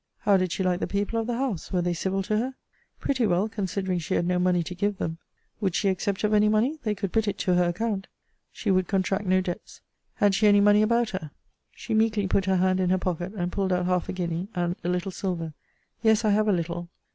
How did she like the people of the house? Were they civil to her? Pretty well, considering she had no money to give them. Would she accept of any money? they could put it to her account. She would contract no debts. Had she any money about her? She meekly put her hand in her pocket, and pulled out half a guinea, and a little silver. Yes, I have a little.